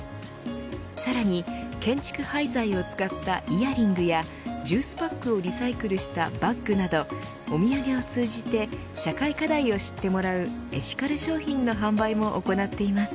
さらに、建築廃材を使ったイヤリングやジュースパックをリサイクルしたバッグなどお土産を通じて社会課題を知ってもらうエシカル商品の販売も行っています。